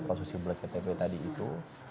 prosesi bktp tadi itu